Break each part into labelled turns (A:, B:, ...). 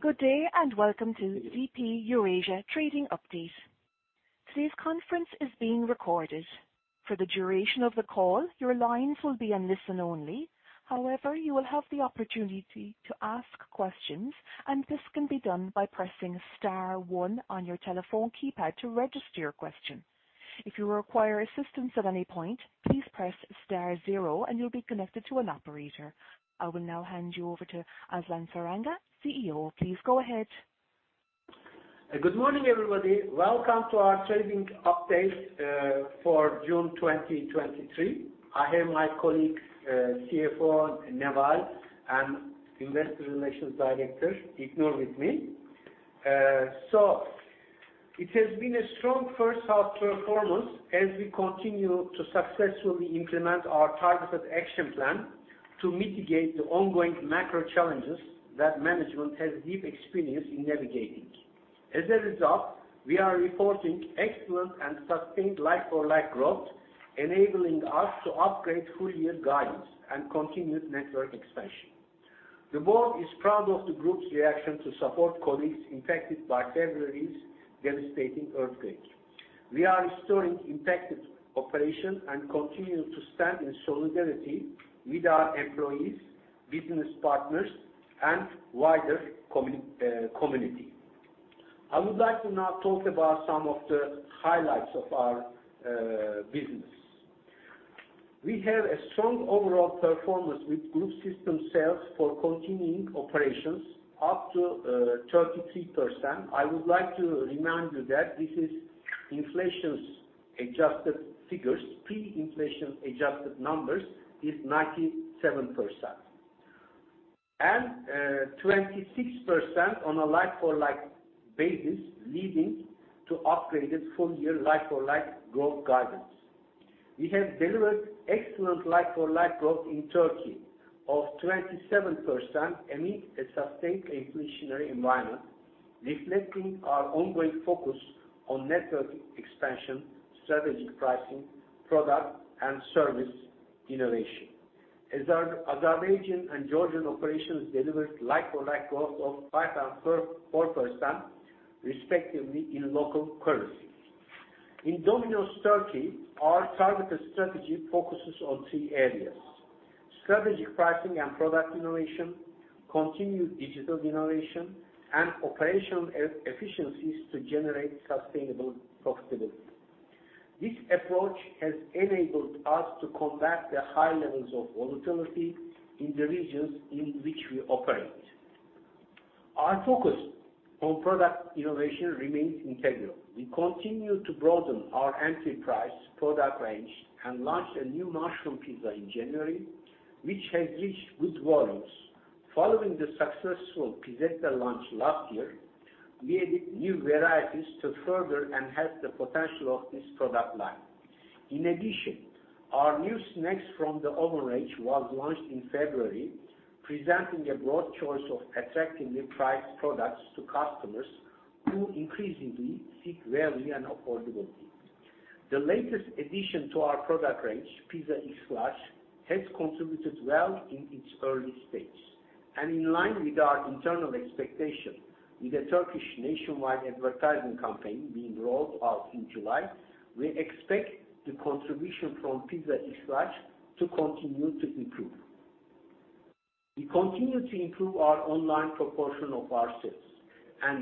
A: Good day. Welcome to DP Eurasia Trading Update. Today's conference is being recorded. For the duration of the call, your lines will be on listen only. However, you will have the opportunity to ask questions, and this can be done by pressing star one on your telephone keypad to register your question. If you require assistance at any point, please press star zero and you'll be connected to an operator. I will now hand you over to Aslan Saranga, CEO. Please go ahead.
B: Good morning, everybody. Welcome to our trading update for June two0two3. I have my colleagues, CFO, Neval, and Investor Relations Director, Ignor, with me. It has been a strong first half performance as we continue to successfully implement our targeted action plan to mitigate the ongoing macro challenges that management has deep experience in navigating. As a result, we are reporting excellent and sustained like-for-like growth, enabling us to upgrade full year guidance and continued network expansion. The board is proud of the group's reaction to support colleagues infected by February's devastating earthquake. We are restoring impacted operations and continue to stand in solidarity with our employees, business partners, and wider community. I would like to now talk about some of the highlights of our business. We have a strong overall performance with group system sales for continuing operations, up to 33%. I would like to remind you that this is inflation-adjusted figures. Pre-inflation-adjusted numbers is 97%. twosix% on a like-for-like basis, leading to upgraded full year like-for-like growth guidance. We have delivered excellent like-for-like growth in Turkey of two7% amid a sustained inflationary environment, reflecting our ongoing focus on network expansion, strategic pricing, product and service innovation. Azerbaijan and Georgian operations delivered like-for-like growth of 5% and 4%, respectively, in local currency. In Domino's Turkey, our targeted strategy focuses on three areas: strategic pricing and product innovation, continued digital innovation, and operational efficiencies to generate sustainable profitability. This approach has enabled us to combat the high levels of volatility in the regions in which we operate. Our focus on product innovation remains integral. We continue to broaden our enterprise product range and launched a new mushroom pizza in January, which has reached good volumes. Following the successful pizzetta launch last year, we added new varieties to further enhance the potential of this product line. In addition, our new Snacks from the Oven range was launched in February, presenting a broad choice of attractively priced products to customers who increasingly seek value and affordability. The latest addition to our product range, Pizza XL, has contributed well in its early stage. In line with our internal expectation, with a Turkish nationwide advertising campaign being rolled out in July, we expect the contribution from Pizza XL to continue to improve. We continue to improve our online proportion of our sales.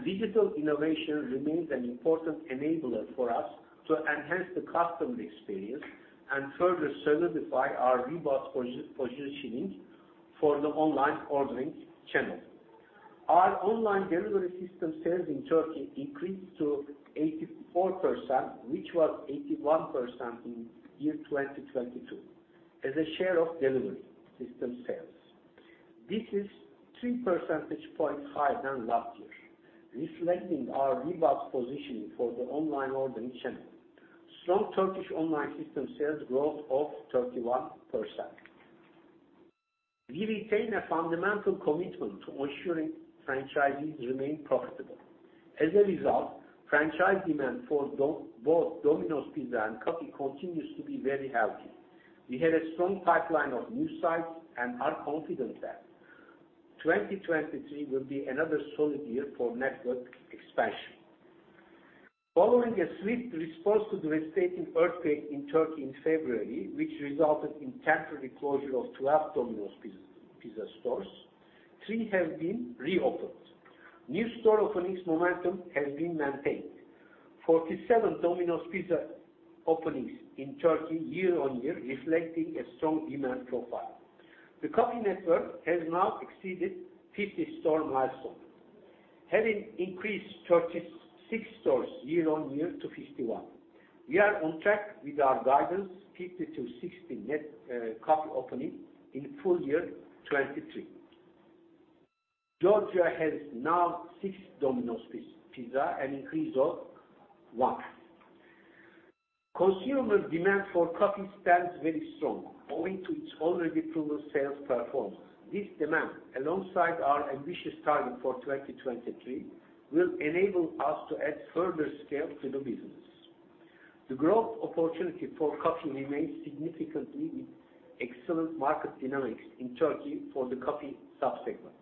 B: Digital innovation remains an important enabler for us to enhance the customer experience and further solidify our robust positioning for the online ordering channel. Our online delivery system sales in Turkey increased to 84%, which was 8one% in year two0twotwo, as a share of delivery system sales. This is 3% points higher than last year, reflecting our robust positioning for the online ordering channel. Strong Turkish online system sales growth of 3one%. We retain a fundamental commitment to ensuring franchisees remain profitable. As a result, franchise demand for both Domino's Pizza and coffee continues to be very healthy. We have a strong pipeline of new sites and are confident that two0two3 will be another solid year for network expansion. Following a swift response to the devastating earthquake in Turkey in February, which resulted in temporary closure of onetwo Domino's Pizza stores, 3 have been reopened. New store openings' momentum has been maintained. 47 Domino's Pizza openings in Turkey year-on-year, reflecting a strong demand profile. The coffee network has now exceeded 50 store milestone, having increased 3six stores year-on-year to 5one. We are on track with our guidance, 50 to six0 net coffee openings in full year two0two3. Georgia has now six Domino's Pizza, an increase of one. Consumer demand for coffee stands very strong, owing to its already proven sales performance. This demand, alongside our ambitious target for two0two3, will enable us to add further scale to the business. The growth opportunity for coffee remains significantly with excellent market dynamics in Turkey for the coffee subsegment.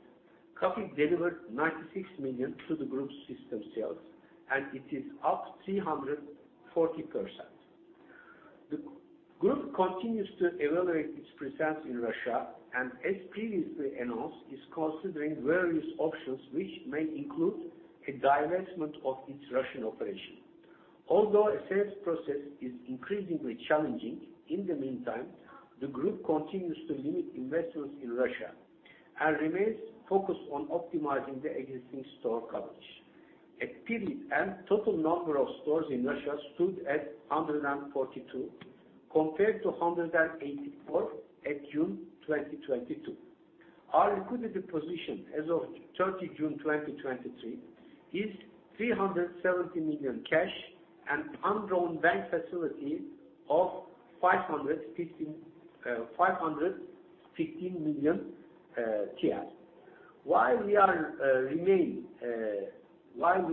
B: Coffee delivered TRY 9six million to the group's system sales. It is up 340%. The group continues to evaluate its presence in Russia, and as previously announced, is considering various options, which may include a divestment of its Russian operation. Although a sales process is increasingly challenging, in the meantime, the group continues to limit investments in Russia and remains focused on optimizing the existing store coverage. At period end, total number of stores in Russia stood at one4two, compared to one84 at June two0twotwo. Our liquidity position as of 30 June two0two3, is 370 million cash and undrawn bank facility of TRY 5one5 million. While we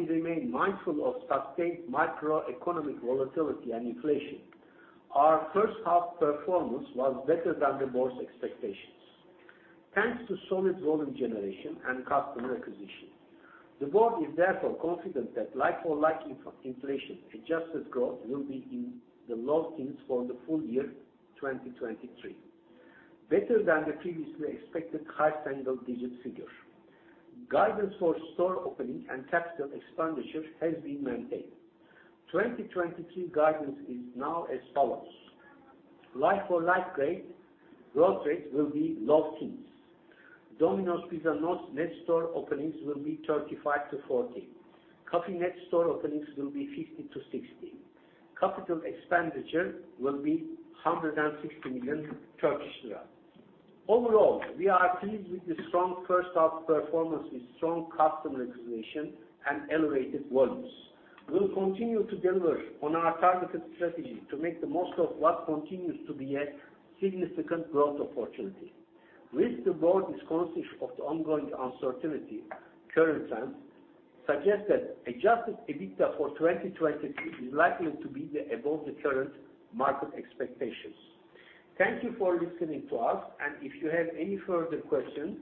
B: remain mindful of sustained macroeconomic volatility and inflation, our first half performance was better than the board's expectations, thanks to solid volume generation and customer acquisition. The board is therefore confident that like-for-like inflation-adjusted growth will be in the low teens for the full year two0two3, better than the previously expected high single-digit figure. Guidance for store opening and capital expenditure has been maintained. two0two3 guidance is now as follows: Like-for-like rate, growth rate will be low teens. Domino's Pizza net store openings will be 35 to 40. Coffee net store openings will be 50 to six0. Capital expenditure will be onesix0 million TRY. Overall, we are pleased with the strong first half performance with strong customer acquisition and elevated volumes. We'll continue to deliver on our targeted strategy to make the most of what continues to be a significant growth opportunity. With the board's conscious of the ongoing uncertainty, current trends suggest that adjusted EBITDA for two0two3 is likely to be above the current market expectations. Thank you for listening to us. If you have any further questions,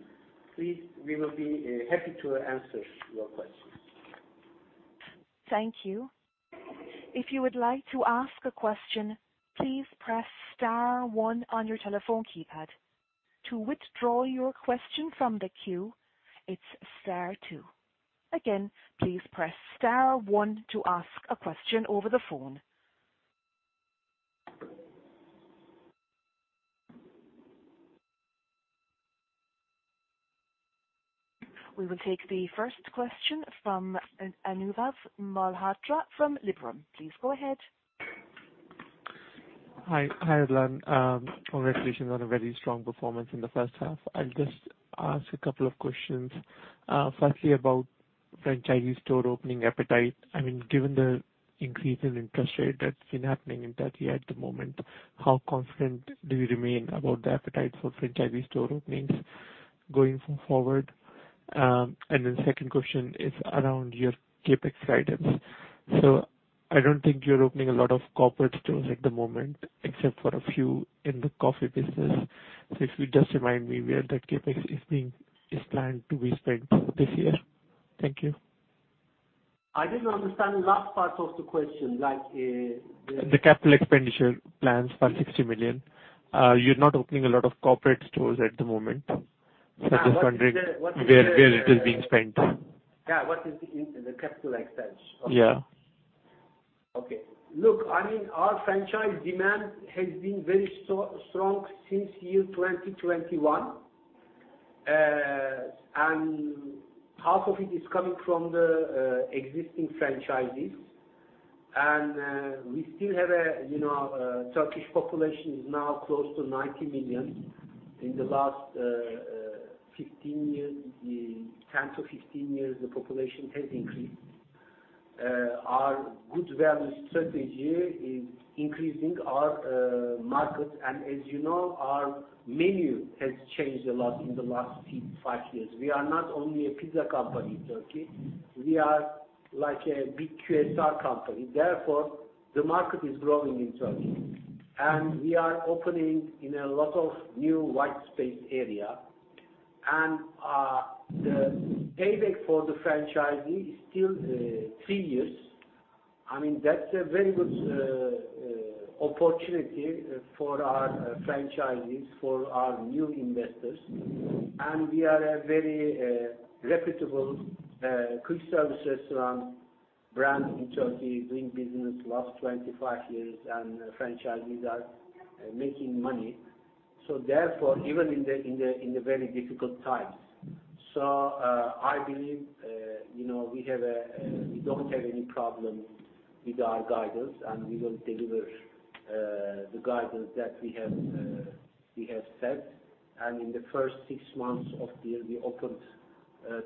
B: please, we will be happy to answer your questions.
A: Thank you. If you would like to ask a question, please press star one on your telephone keypad. To withdraw your question from the queue, it's star two. Again, please press star one to ask a question over the phone. We will take the first question from Anubhav Malhotra from Liberum. Please go ahead.
C: Hi. Hi, Aslan Saranga. Congratulations on a very strong performance in the first half. I'll just ask a couple of questions. Firstly, about franchisee store opening appetite. I mean, given the increase in interest rate that's been happening in Turkey at the moment, how confident do you remain about the appetite for franchisee store openings going forward? Second question is around your CapEx guidance. I don't think you're opening a lot of corporate stores at the moment, except for a few in the coffee business. If you just remind me where that CapEx is planned to be spent this year. Thank you.
B: I didn't understand the last part of the question, like.
C: The capital expenditure plans for TRY six0 million. You're not opening a lot of corporate stores at the moment.
B: What is the-
C: Just wondering where it is being spent?
B: Yeah. What is the capital expense?
C: Yeah.
B: Okay. Look, I mean, our franchise demand has been very strong since year two0twoone. Half of it is coming from the existing franchisees. We still have a, you know, Turkish population is now close to 90 million. In the last one5 years, one0 to one5 years, the population has increased. Our good value strategy is increasing our market. As you know, our menu has changed a lot in the last 5 years. We are not only a pizza company in Turkey. We are like a big QSR company. Therefore, the market is growing in Turkey. We are opening in a lot of new white space area. The payback for the franchisee is still 3 years. I mean, that's a very good opportunity for our franchisees, for our new investors. We are a very reputable quick-service restaurant brand in Turkey, doing business the last two5 years, and the franchisees are making money. Therefore, even in the very difficult times. I believe, you know, we don't have any problem with our guidance, and we will deliver the guidance that we have set. In the first six months of the year, we opened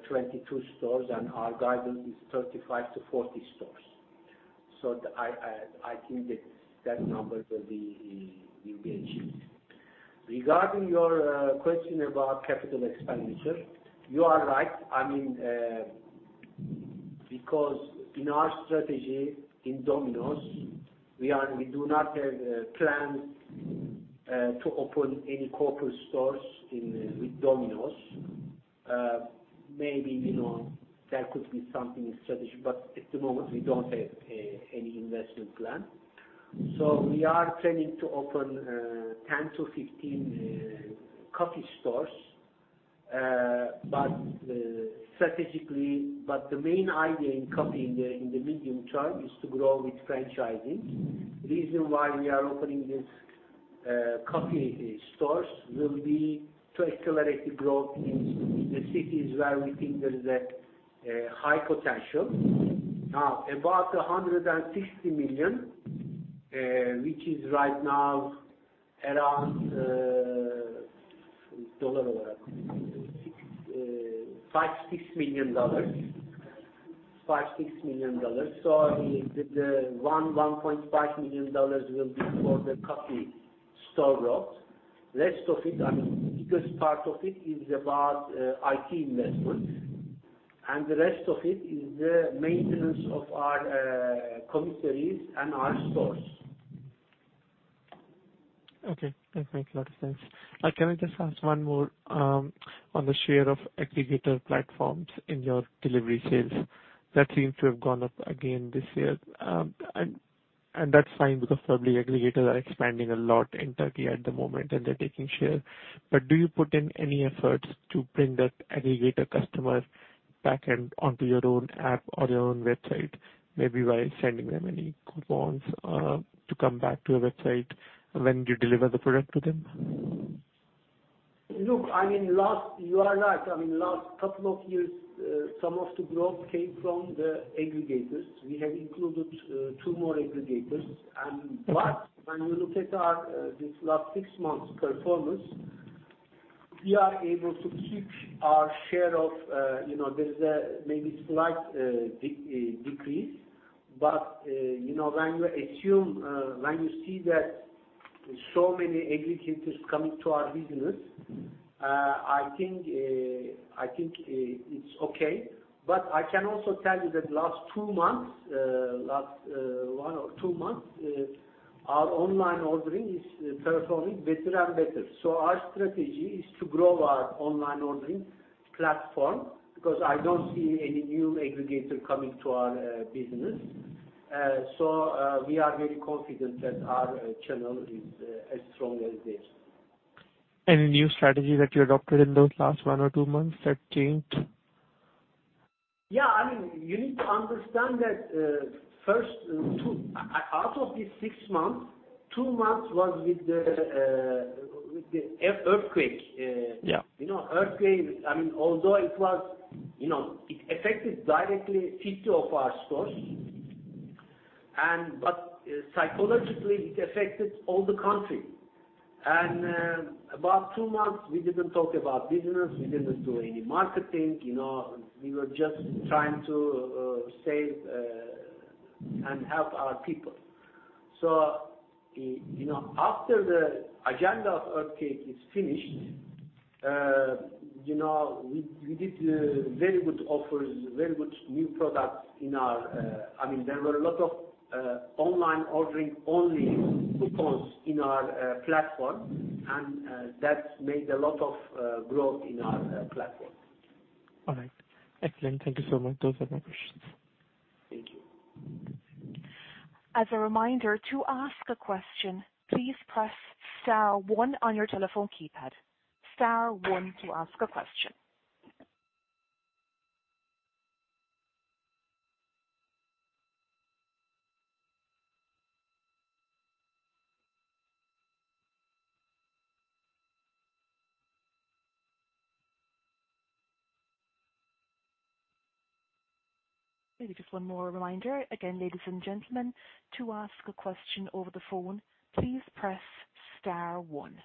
B: twotwo stores, and our guidance is 35 to 40 stores. I think that number will be achieved. Regarding your question about capital expenditure, you are right. I mean, because in our strategy in Domino's, we do not have plans to open any corporate stores in, with Domino's. Maybe, you know, there could be something strategic, but at the moment, we don't have any investment plan. We are planning to open one0 to one5 coffee stores. Strategically, but the main idea in coffee in the medium term is to grow with franchising. The reason why we are opening this coffee stores will be to accelerate the growth in the cities where we think there is a high potential. Now, about TRY onesix0 million, which is right now around $5 to six million. The $one.5 million will be for the coffee store growth. Rest of it, I mean, biggest part of it is about, IT investment, and the rest of it is the maintenance of our, commissaries and our stores.
C: Okay. Thank you. Lot of thanks. Can I just ask one more on the share of aggregator platforms in your delivery sales? That seems to have gone up again this year. That's fine, because probably aggregators are expanding a lot in Turkey at the moment, and they're taking share. Do you put in any efforts to bring that aggregator customer back and onto your own app or your own website, maybe by sending them any coupons to come back to your website when you deliver the product to them?
B: Look, I mean, last... You are right. I mean, last couple of years, some of the growth came from the aggregators. We have included two more aggregators. When you look at our, this last six months performance, we are able to keep our share of, you know, there's a maybe slight, decrease. You know, when you assume, when you see that so many aggregators coming to our business, I think it's okay. I can also tell you that last two months, last, one or two months, our online ordering is performing better and better. Our strategy is to grow our online ordering platform, because I don't see any new aggregator coming to our business. We are very confident that our channel is as strong as this.
C: Any new strategy that you adopted in those last one or two months that changed?
B: Yeah, I mean, you need to understand that out of these six months, two months was with the earthquake.
C: Yeah.
B: You know, earthquake, I mean, although it was, you know, it affected directly 50 of our stores, and but psychologically, it affected all the country. About two months, we didn't talk about business, we didn't do any marketing, you know, we were just trying to save and help our people. You know, after the agenda of earthquake is finished, you know, we did very good offers, very good new products in our. I mean, there were a lot of online ordering, only coupons in our platform, and that made a lot of growth in our platform.
C: All right. Excellent. Thank you so much. Those are my questions.
B: Thank you.
A: As a reminder, to ask a question, please press star one on your telephone keypad. Star one to ask a question. Maybe just one more reminder. Again, ladies and gentlemen, to ask a question over the phone, please press star one.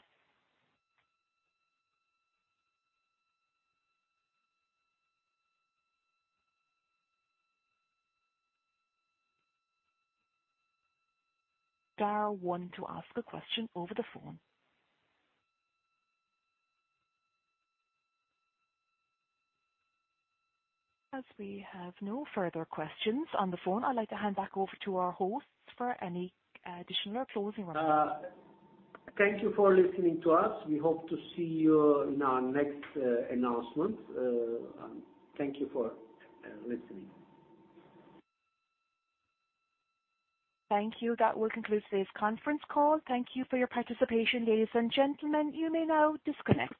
A: Star one to ask a question over the phone. As we have no further questions on the phone, I'd like to hand back over to our host for any additional or closing remarks.
B: Thank you for listening to us. We hope to see you in our next announcement. Thank you for listening.
A: Thank you. That will conclude today's conference call. Thank you for your participation, ladies and gentlemen. You may now disconnect.